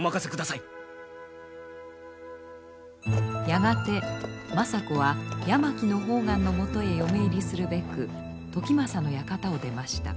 やがて政子は山木判官のもとへ嫁入りするべく時政の館を出ました。